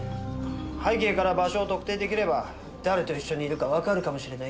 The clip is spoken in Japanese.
背景から場所を特定出来れば誰と一緒にいるかわかるかもしれないって。